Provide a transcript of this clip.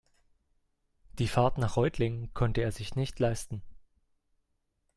Die Fahrt nach Reutlingen konnte er sich nicht leisten